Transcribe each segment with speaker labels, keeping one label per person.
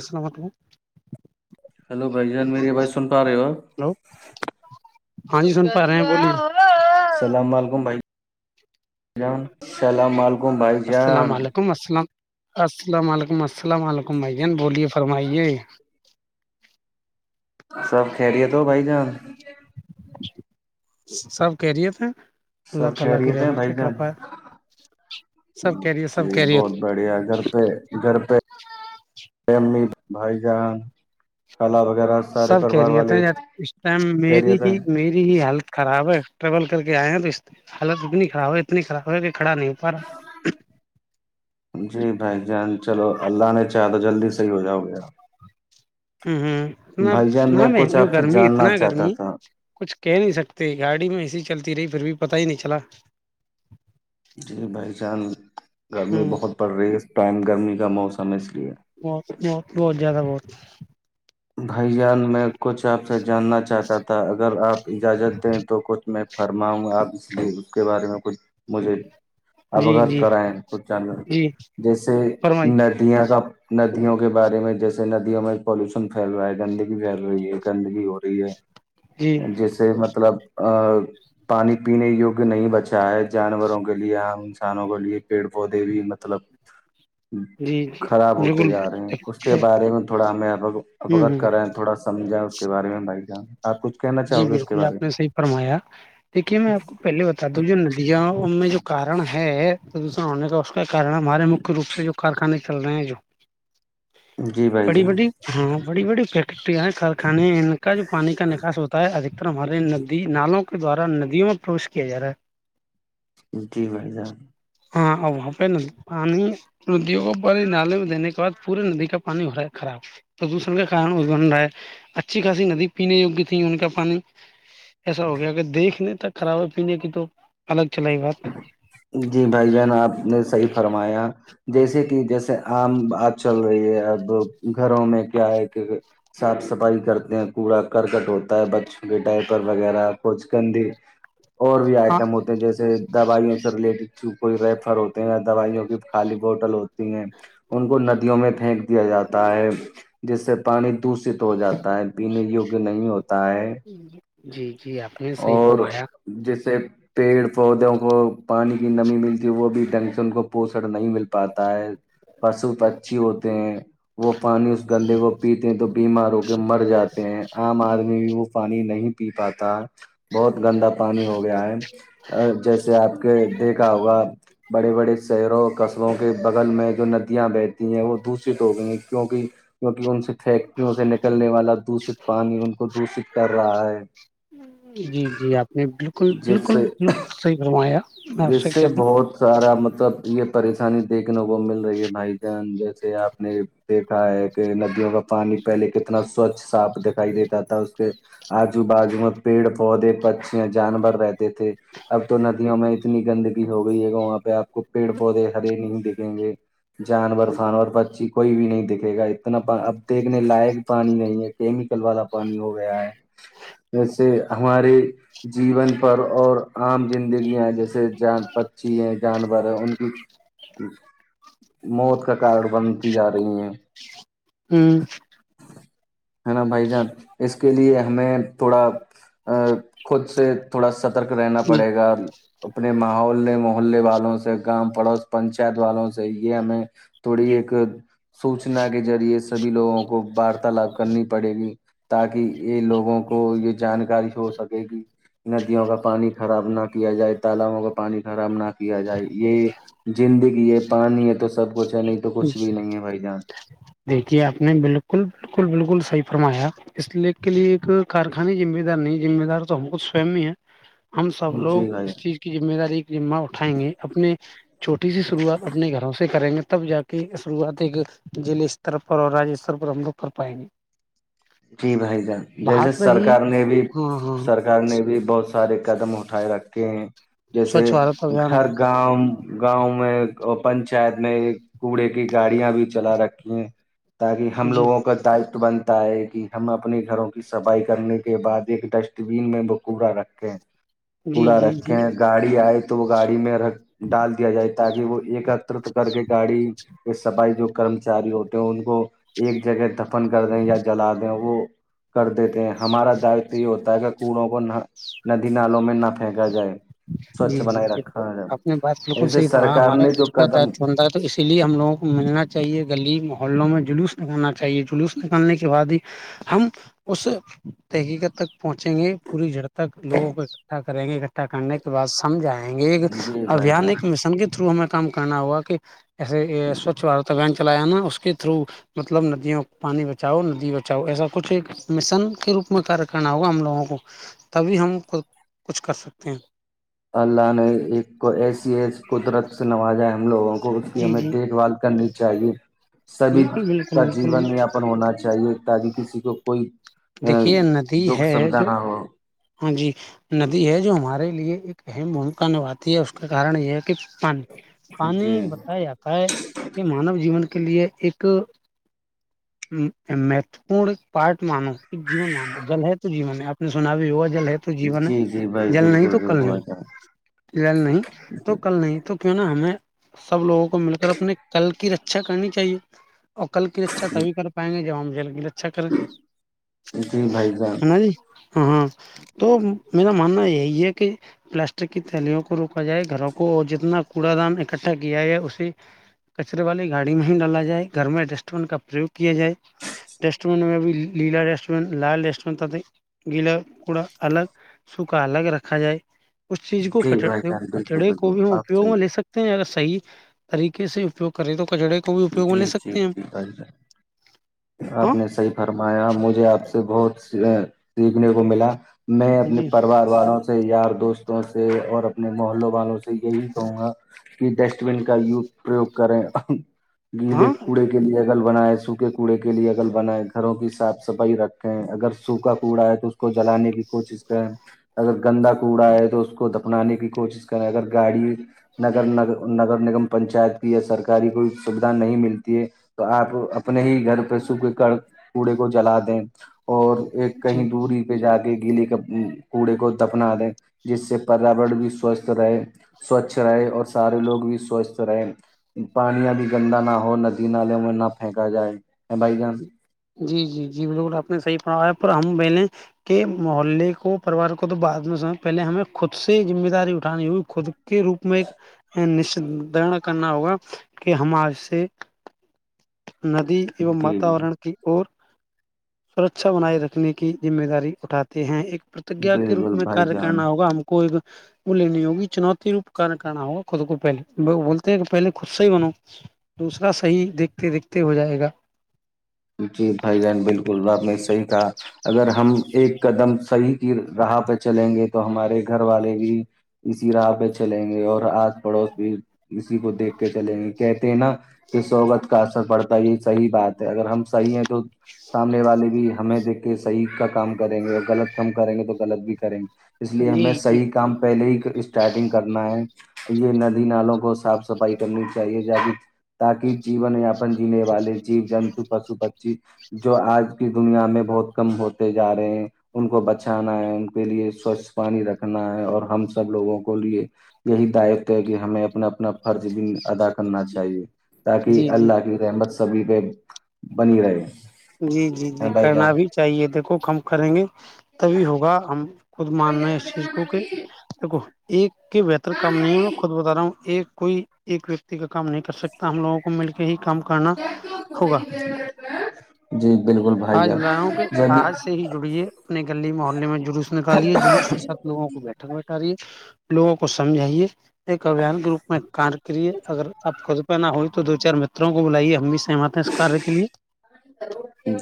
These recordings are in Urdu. Speaker 1: السلام علیکم
Speaker 2: ہلو بھائی جان میری آواز سن پا رہے ہو
Speaker 1: ہلو ہاں ج سن پا رہے ہیں بولی
Speaker 2: السلام علیکم بھائی جان السلام علیکم بھائی جان
Speaker 1: ولیکم السلام السلام علیکم السلام علیکم بھائی جان بولیے فرمائیے
Speaker 2: سب خیریت ہو بھائی جان
Speaker 1: سب کہہرییے تھے
Speaker 2: سب خیریت ہیں بھائی جان
Speaker 1: سب خیریت سب
Speaker 2: جی
Speaker 1: خیریت
Speaker 2: بہت بڑھیا گھر پہ گھر پہمی بھائی جان کالا وغیرہ سارے
Speaker 1: سب کہہ
Speaker 2: پریوار
Speaker 1: رہیےتے
Speaker 2: والے
Speaker 1: اس ٹائم میری
Speaker 2: خیریت
Speaker 1: ہی
Speaker 2: ہیں
Speaker 1: میری ی حالت خراب ہے ٹریول کر کے آئے ہیں تو حالت اتنی خراب ہے اتنی خراب ہے کہ کھڑا نہیں ہو پا رہا
Speaker 2: جی بھائی ج چلو اللہ نے چاہا تو جلدی صحیح ہو جاؤ گے آپ
Speaker 1: ہوں ہوں اتنا
Speaker 2: بھائی جان
Speaker 1: اتنا
Speaker 2: میں کچھ
Speaker 1: مہنگی
Speaker 2: آپ سے
Speaker 1: گرمی
Speaker 2: جاننا
Speaker 1: اتنا
Speaker 2: چاہتا
Speaker 1: گرمی
Speaker 2: تھا
Speaker 1: کچھ کہہ نہیں سکتے گاڑی میں ایسی چلتی رہی پھر بھی پتا ہی نہیں چلا
Speaker 2: جی بھائی چان گرمی
Speaker 1: ہوں
Speaker 2: بہت پڑ رہی ہے اس ٹائم گرمی کا موسم ہے اس لیے
Speaker 1: بہت بہت بہت زیادہ بہت
Speaker 2: بھائی جان میں کچھ آپ سے جاننا چاہتا تھا اگر آپ اجازت دیں تو کچھ میں فرماؤں آپ اس لیے اس کے بارے میں کچھ مجھے
Speaker 1: جی
Speaker 2: اوگت
Speaker 1: جی
Speaker 2: کرائے ہیں کچھ چانل
Speaker 1: جی
Speaker 2: جیسے
Speaker 1: فرمائی
Speaker 2: ن یاں کا ندیوں کے بارے میں جیسے ندیوں میں پالوش پھیل رہا ہے گندگی پھیل رہی ہے گندگی ہو رہی
Speaker 1: جی
Speaker 2: ہے جیسے مطلب آ [unintelligible] پانی پینے یوگ نہیں بچا ہے جانوروں کے لیے عام انسانوں کے لیے پیڑ پودے بھی مطلب
Speaker 1: جی
Speaker 2: [unintelligible]
Speaker 1: جی
Speaker 2: خراب ہوتے
Speaker 1: بالکل
Speaker 2: جا رہے ہیں اس کے
Speaker 1: ہ
Speaker 2: بارے میں تھوڑا ہمیں اوگت کرے تھوڑا سمجھا اس کے بارے میں بھائی جان آپ کچھ کہنا
Speaker 1: جی
Speaker 2: چاہو گے اس کے
Speaker 1: بالکل
Speaker 2: بارے
Speaker 1: آپ نے
Speaker 2: میں
Speaker 1: صحیح فرمایا دیکھیے میں آپ کو پہلے بتا دو جو ندیاں میں جو کن ہے پردوشن ہونے کا اس کا کن ہمارے م روپ سے جو کارخانے چل رہے ہیں جو
Speaker 2: جی بھائی
Speaker 1: بڑی
Speaker 2: جان
Speaker 1: بڑی ہاں بڑی بڑی فیکٹرییا کارخانے کا جو پانی کا نکاس ہوتا ہے ادکتر ہمارے ندی نالوں کے دوارا ندیوں میں پروش کیا جا رہا ہے
Speaker 2: جی بھائی ج
Speaker 1: [unintelligible] ندیوں کو پے نالے میں دینے کے بعد پورے ندی کا پانی ہو رہا ہے خراب پردوشن کا کار ابن رہا اچھی خاصی ندی پینے یگیہ تھی ان کا پانی ایسا ہو گیا اگر دیکھ لیں ت کاابے پینے کی تو الگ چلائے بات
Speaker 2: جی بھائی جان آپ نے صحیح فرمایا جیسے کہ جیسے عم آج چل رہی ہے اب گھروں میں کیا ہے کہ صاف صفائی کرتے ہیں کوڑا کرکٹ ہوتا ہے بچ بٹائی پر وغیرہ کچ کندھی اور بھی
Speaker 1: ہاں
Speaker 2: آئٹم ہوتے جیسے دوائیوں سے ریلیٹیڈ کوئی ریفر ہوتے ہیں یا دوائیوں کی خالی بوٹل ہوتی ہیں ان کو ندیوں میں پھینک دیا جاتا ہے جس سے پانی دوشت ہو جاتا ہے پینے یوگیہ نہیں ہوتا ہے
Speaker 1: جی جی آپ نے صحیح
Speaker 2: اور
Speaker 1: فرمایا
Speaker 2: جیسے پیڑ پودوں کو پانی کی نمی ملتی وہ بھی ڈھنگ سے ان کو پوسن نہیں ملتا پاتا ہے پشو پچھی ہوتے ہیں وہ پانی اس گندے کو پیتے ہیں تو بیماروں کے مر جاتے ہیں عام آدمی بھی وہ پانی نہیں پی پاتا بہت گندا پانی ہو گیا ہے جیسے آپ کے دیکھا ہوگا بڑے بڑے شہروں قصبوں کے بغل میں جو ندیاں بہتی ہیں وہ دوشت ہو گئی ہیں کیونک کیکہ ان سے فیکٹریوں سے نکلنے والا دشت پانی ان کو دشت کر رہا ہے
Speaker 1: جی جی آپ نے بالکل
Speaker 2: جس
Speaker 1: بالکل
Speaker 2: سے
Speaker 1: بالکل صحیح فرمایا میں آپ سے
Speaker 2: جس
Speaker 1: کہتاوں
Speaker 2: بہت سارا مطلب یہ پریشانی دیکھنے کو مل رہی ہے بھائی جان جیسے آپ نے د دا ہے کہ ندیوں کا پانی پہلے کتنا سوچھ صاف دکھائی دیتا تھا اس کے آجو بازو میں پیڑ پودے پچیاں جانور رہتے تھے اب تو ندیوں میں اتنی گندگی ہو گئی ہے وہاں پہ آپ کو پیڑ پودے ہرے نہیں دھیں گے جانور فانور پچی کوئی بھی نہیں دکھے گا اتنا اب دیکھنے لائق پانی نہیں ہے کیمیکل والا پانی ہو گیا ہے جیسے ہمارے جیون پر اور عام زندگیاں جیسے ج پچھی ہیں جانور ہیں ان کی موت کا کارڈ بنتی جا رہی ہیں
Speaker 1: ہوں
Speaker 2: ہاں ہے نا بھائی جان اس کے لیے ہمیں تھوڑا ا خود سے تھوڑا سترک رہنا
Speaker 1: ہ
Speaker 2: پڑے گا اپنے محولے محے والوں سے گاام پڑوس پنچایت والوں سے یہ ہمیں تھوڑی ایک سوچنا کے ذریعے سبھی لوگوں کو وارتالاپ کرنی پڑے گی تاکہ یہ لوگوں کو یہ جانکاری ہو سکے گ ندیوں کا پانی خراب نہ کیا جائے تالابوں کا پانی خراب نہ کیا جائے یہ زندگی ہے پانی ہے تو سب کچھ ہے نہیں تو کچھ بھی نہیں ہے بھائی جان
Speaker 1: دیکھیے آپ نے بالکل بالکل بالکل صحیح فرمایا اس لی کے لیے ایک کارخانیے ذمہ دار نہیں ذمہ دار تو ہم کو سوم ہی ہے ہم سب لوگ
Speaker 2: جی بھائی جان
Speaker 1: اس چیز کی ذمہ داری ذمہ اٹھائیں گے اپنے چوٹی سی شروعات اپنے گھروں سے کریں گے تب جا کے شروعات ایکلے طر پر اور رجیشور پر ہم لوگ کر پائیں گے
Speaker 2: کی بائی ج جیسے
Speaker 1: بات رہی
Speaker 2: سرکار نے بھی
Speaker 1: ہاں ہاں
Speaker 2: سر گھر نے بھی بہت سارے قدم اٹھائے رکھے ہیں جیسے
Speaker 1: سوچھ بھارت ابھیان
Speaker 2: گھر گاؤں گاؤں میں پنچایت میں ایک کوڑے کی گاڑیاں بھی چلا رکھی ہیں تاکہ ہم
Speaker 1: جی
Speaker 2: لوگوں کا دائتو بنتا ہے کہ ہم اپنے گھروں کے صفائی کرنے کے بعد ایک ڈسٹ بین میں بکوورا رکھیں
Speaker 1: جی
Speaker 2: کوڑا
Speaker 1: جی جی
Speaker 2: رکھے ہیں گاڑی آئے تو وہ گاڑی میں رکھ ڈال دیا جائے تاکہ وہ ایکترت کر کے گاڑی کے سفائی جو کرمچاری ہوتے تو ان کو ایک جگہ دفن کر دیں یا جلا دیں وہ کر دیتے ہیں ہمارا داتو یہ ہوتا ہے کہ کوڑوں کو ندی نالوں میں نپا پھینکا جائے
Speaker 1: جی
Speaker 2: سوچھ بنائے
Speaker 1: جی بالکل
Speaker 2: رکھا جائے
Speaker 1: آپ نے بات بالکل
Speaker 2: ایسے
Speaker 1: صحیح پڑھا
Speaker 2: سرکار
Speaker 1: ہمارا
Speaker 2: نے
Speaker 1: خود
Speaker 2: جو
Speaker 1: کا
Speaker 2: قدم
Speaker 1: دائتو بنتا ہے تو اسی لیے ہم لوگوں کو ملنا چاہیے گلی محلوں میں جلوس نکالنا چاہیے جلوس نکالنے کے بعد ہی ہم اس تحقیق تک پہنچیں گے پوری جڑپ تک لوگ اٹا کریں گے اکٹھا کرنے بات سمجھ آئیں گے ایک
Speaker 2: جی بھائی
Speaker 1: ابھیان
Speaker 2: جان
Speaker 1: ایک مشن کے تھرو ہمیں کام کرنا ہوگا کہ ایسے سوچھت ابھیان چلایا نا اس کے تھرو مطلب ندیوں پانی بچاؤ ندی بچاؤ ایسا کچھ ایک مشن کے روپ میں کیہ کرنا ہوگا ہم لوگوں کو تبھی ہم کچھ کر سکتے ہیں
Speaker 2: اللہ نے ایک کو ایسی ہے قدرت سے نوازا ہے ہم لوگوں کو کو اس کی
Speaker 1: جی
Speaker 2: ہمیں
Speaker 1: جی
Speaker 2: دیکھ بھال کرنی چاہیے سبھی
Speaker 1: بالکل بالکل
Speaker 2: کا
Speaker 1: بالکل
Speaker 2: جیون یاپن ہونا چاہیے تاد کسی کو کوئی
Speaker 1: دیکھیے ندی
Speaker 2: دکھ
Speaker 1: ہے
Speaker 2: سھا
Speaker 1: جو
Speaker 2: نہ ہو
Speaker 1: ہاں جی ندی ہے جو ہمارے لیے ایک اہم بھومکا نبھاتی ہے اس کے کارن یہ ہے کہ پانی پانی
Speaker 2: جی
Speaker 1: بتایا جاتا ہے کہ مانو جیون کے لیے ایک مہتو پورن پارٹ مانو ایک جیون مانو جل ہے تو جین ہے آپ نے سنا جل ہے تو جیون
Speaker 2: جی جی بھائی
Speaker 1: جل نہیں
Speaker 2: بالکل
Speaker 1: تو کل نہیں
Speaker 2: بالکل بھائی
Speaker 1: لل نہیں تو کل نہیں تو کیوں نا ہمیں سب لوگوں کو مل کر اپنے کل کی ر اچھا کرنی چاہیے اور کل کی اچھا تبھی کر پائیں گے جب ہم ج اچ چ کر
Speaker 2: جان جی بھائی جان
Speaker 1: ہےا جی ہاں ہاں تو میرا ماننا یہی ہے کہ پلاسٹک کی تھیلیوں کو روکا جائے گھروں کو اور جتنا کوڑا دان اکٹھا کیا ہے اسے کچرے والی گاڑی میں ہی ڈالا جائے گھر میں ڈسٹ بین کا پریوگ کیا جائے ریسٹورینٹ میں بھی لیلا ریسٹورینٹ لال ریسٹوریننٹ ت گیلا تھڑا الگ سوکھا الگ رکھا جائے اس چیز کو ک
Speaker 2: جی بھائی جان بالکل
Speaker 1: کچڑے کو بھی
Speaker 2: بالکل
Speaker 1: ہم
Speaker 2: آپ
Speaker 1: اپیوگ میں لے
Speaker 2: صحیح
Speaker 1: سکتے س ا صحی طریقے سے اپیوگ کریں تو کچڑے کا بھی اپیوگ میں لے
Speaker 2: جی جی
Speaker 1: سکتے ہیں ہم
Speaker 2: جی بھائی جان آپ نے صحیح فرمایا مجھے آپ سے بہت سیکھنے کو ملا میں
Speaker 1: ہاں
Speaker 2: اپنے
Speaker 1: جی
Speaker 2: پریوار والوں سے سے یار دوستوں سے اور اپنے محلوں والوں سے یہی کہوں گا کہ ڈسٹ بین کا پرریوگ کریں گیلے
Speaker 1: ہاں
Speaker 2: کوڑے کے لیے اگل بنائیں سوکھے کو کوڑے کے لیے اگر بنائیں گھروں کی صاف صفائی رکھیں اگر سوکھا کوڑا ہے تو کو جلانے کی کوشش کریں اگر گندہ کوڑا ہے تو اس کو دپنانے کی کوشش کریں اگر گاڑی نگر ن نگر نگم پنچایت کی یا سرکاری کوئی سویدھا نہیں ملتی ہے تو آپ اپنے ہی گھر پہ سوکھ کرک کوڑے کو جلا دیں اور ایک
Speaker 1: جی
Speaker 2: کہیں دوری پہ جا کے گیلے کے کوڑے کو دفنا دیں جس سے پریاور بھی سوستھ رہے سوچھ رہے اور سارے لوگ بھی سوستھ رہیں پانی ا بھیھی گندا نہ ہو ندی نالوں میں نہ پھینکا جائے ا بائی جان
Speaker 1: جی جی جی بالکل آپ نے صحیح پڑھایا پر ہم پہل کہ محلے کو پریوار کو تو بعد میں س پہلے ہمیں خود سے ذمہ داری اٹھانی ہوئی خود کے روپ میں ایک ن در کرنا ہوگا کہ ہمار سے ندی ای
Speaker 2: جی جی
Speaker 1: واتاورن اور سرھا بنائے رکھنے کی ذمہ داری اٹھاتے ہیں ایک ا کے روپ
Speaker 2: بالکل
Speaker 1: میں
Speaker 2: بھائی
Speaker 1: کار
Speaker 2: جان
Speaker 1: کرنا ہوگا ہم کو ایک وہ لینی ہوگی چنوتی روپ کن کرنا ہوگا خود کو پہل بولتے ہیں کہ پہلے خود سے ہی بنو دوسرا صحیح دیکھتے دیکھتے ہو جائے گا
Speaker 2: جی بھائی جہن بالکل بپ نے صحیح کہا اگر ہم ایک قدم صحیح راہ پہ چلیں گے تو ہمارے گھر والے بھی اسی راہ پہ چلیں گے اور آس پڑوس بھی اسی کو دیکھ کے چلیں گے کہتے ہیں نا کہ سوگت کا اثر پڑتا ہے یہ صحی بات ہے اگر ہم صحیح ہیں تو سامنے والے بھی ہمیں دیکھ کے صحیح کا کام کریں گے اور غلط کام کریں گے تو غلط بھی کریں گے اس لیے
Speaker 1: جی
Speaker 2: ہمیں
Speaker 1: جی
Speaker 2: صحیح کام پہلے ہی اسٹارٹنگ کرنا ہے یہ ندی نالوں کو صاف سفائی کرنی چاہیے ج تاکہ جیون یاپن جینے والے جیو جنتو کو پو بچی جو آج کی دنیا میں بہت کم ہوتے جا رہے ہیں ان کو بچانا ہے ان کے لیے سوچھ پانی رکھنا ہے اور ہم سب لوگوں کو لیے یہی دائتو ہے کہ ہمیں اپنا اپنا فرض بھی ادا کرنا چاہیے تاکہ
Speaker 1: جی جی
Speaker 2: اللہ کی رحمت سبھی پہ بنی رہے
Speaker 1: جی جی جی
Speaker 2: بھائی
Speaker 1: کرنا
Speaker 2: جان
Speaker 1: بھی چاہیے دیکھو کم کریں گے تبھی ہوگا ہم خود ماننا ہیں اس چیز کو کہ د ایک کے بہتر کام نہیں ہے میں خود بتا رہا ہوں ایک کوئی ایک ویکتی کا کام نہیں کر سکتا ہم لووں کو مل کے ہی کام کرنا ہوگا
Speaker 2: جی بالکل بھائی گ
Speaker 1: آج بلا رہا ہوں کہ
Speaker 2: جنی
Speaker 1: آج سے ہی جڑیے اپنے گلی محلے میں جلوس نکالے جلوس کے ساتھ لووں کو بیٹھک بیٹھا رہیے لوگوں کو سمجھائیے ایک ابھیان کے روپ میں کار کریے اگر آپ خود پہ نہ ہوئی تو دو چار متروں کو بلائیے ہم بھی سہمت ہیں اس کار کے لیے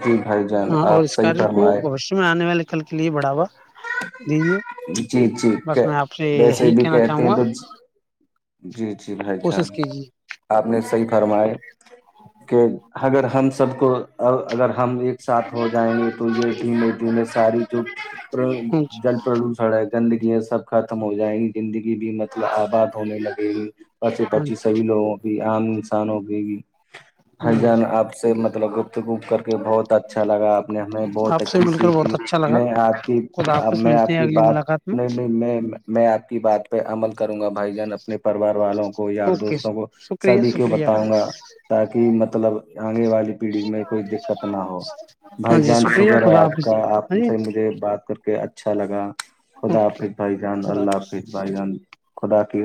Speaker 2: جی بھائی جان
Speaker 1: اور
Speaker 2: آپ
Speaker 1: اس
Speaker 2: صحیح
Speaker 1: کاریہ کو
Speaker 2: فرمائے
Speaker 1: بوشیہ میں آنے والے کل کے لیے بڑاوا لیجیے
Speaker 2: جی جی
Speaker 1: بس میں آپ سے
Speaker 2: ویسے
Speaker 1: یہی
Speaker 2: بھی
Speaker 1: کہنا
Speaker 2: کہتے
Speaker 1: چاہوں
Speaker 2: ہیں
Speaker 1: گا
Speaker 2: تو جی جی بھائی جان
Speaker 1: کوشش کیجیے
Speaker 2: آپ نے صحیح فرماائے کہ اگر ہم سب کو اگر ہم ایک ساتھ ہو جائیں گے تو یہ ٹیم مٹییں ساری چ
Speaker 1: ہاں جی
Speaker 2: جلتی ڑ گندگیاں سب ختم ہو جائیں گی زندگی بھی مطلب آباد ہونے لگے گی پچے
Speaker 1: ہاں
Speaker 2: پچی سویلوںگی عام انسان ہو گی بھی
Speaker 1: جی
Speaker 2: ہر
Speaker 1: ہ
Speaker 2: جان آپ سے مطلب گپت گوپ کر کے بہت اچھا لگا آپ نے ہمیں بہت
Speaker 1: آپ سے
Speaker 2: اچھی
Speaker 1: مل کر
Speaker 2: سیکھ لی
Speaker 1: بہت اچھا لگا
Speaker 2: میں آپ کی
Speaker 1: خدا آپس
Speaker 2: میں
Speaker 1: ملتے
Speaker 2: آپ
Speaker 1: ہیں اگلی
Speaker 2: بات
Speaker 1: ملاقات میں
Speaker 2: نہیں نہیں میں میں آپ کی بات پہ عمل کروں گا بھائی جان اپنے پریوار والوں کو یار
Speaker 1: اوکے
Speaker 2: دوستوں کو
Speaker 1: شکریہ
Speaker 2: سبھی کیوں
Speaker 1: شکریہ
Speaker 2: بتاؤں گا تاکہ مطلب آگے والی پیڑھی میں کوئی دقت نہ ہو
Speaker 1: ہاں
Speaker 2: بھائی
Speaker 1: جی
Speaker 2: جان
Speaker 1: شکریہ
Speaker 2: شکر ہے
Speaker 1: خدا
Speaker 2: آپ
Speaker 1: حافظ
Speaker 2: کا
Speaker 1: جی
Speaker 2: آپ
Speaker 1: ہاں جی
Speaker 2: سے مجھے بات کر کے اچھا لگا خدا
Speaker 1: اوکے
Speaker 2: پظ بھائی جان
Speaker 1: خدا حافظ
Speaker 2: اللہ حا پظ بھائی جان خدا کی